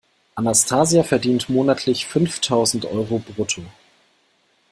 Anastasia verdient monatlich fünftausend Euro brutto.